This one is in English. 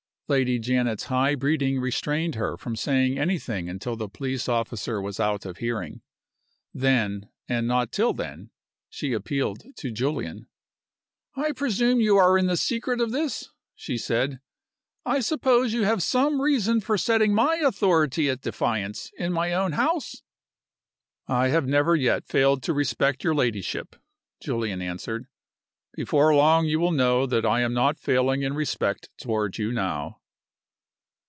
Lady Janet's high breeding restrained her from saying anything until the police officer was out of hearing. Then, and not till then, she appealed to Julian. "I presume you are in the secret of this?" she said. "I suppose you have some reason for setting my authority at defiance in my own house?" "I have never yet failed to respect your ladyship," Julian answered. "Before long you will know that I am not failing in respect toward you now."